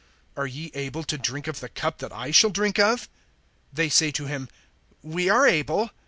Are ye able to drink of the cup that I shall drink of? They say to him: We are able.